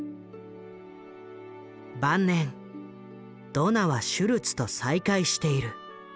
晩年ドナはシュルツと再会している。